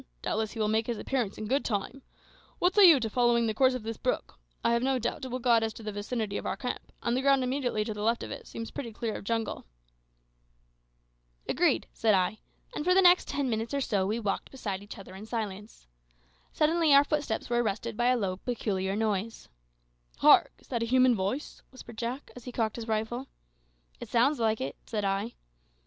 Doubtless he will make his appearance in good time. What say you to following the course of this brook? I have no doubt it will guide us to the vicinity of our camp, and the ground immediately to the left of it seems pretty clear of jungle." "Agreed," said I; and for the next ten minutes or so we walked beside each other in silence. Suddenly our footsteps were arrested by a low peculiar noise. "Hark! is that a human voice?" whispered Jack, as he cocked his rifle. "It sounds like it," said I.